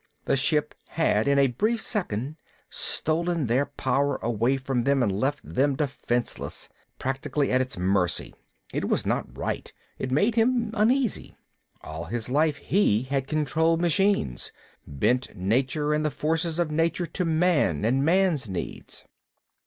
The ship had, in a brief second, stolen their power away from them and left them defenseless, practically at its mercy. It was not right; it made him uneasy. All his life he had controlled machines, bent nature and the forces of nature to man and man's needs.